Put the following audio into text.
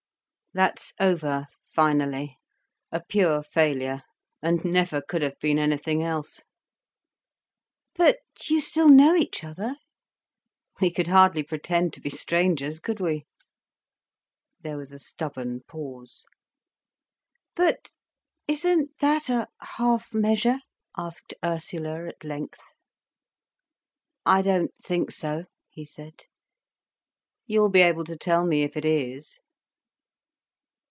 "That's over, finally—a pure failure, and never could have been anything else." "But you still know each other?" "We could hardly pretend to be strangers, could we?" There was a stubborn pause. "But isn't that a half measure?" asked Ursula at length. "I don't think so," he said. "You'll be able to tell me if it is."